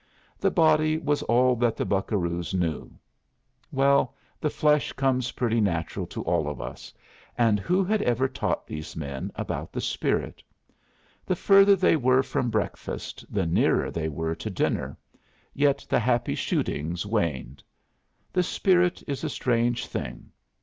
The body was all that the buccaroos knew; well, the flesh comes pretty natural to all of us and who had ever taught these men about the spirit? The further they were from breakfast the nearer they were to dinner; yet the happy shootings waned! The spirit is a strange thing.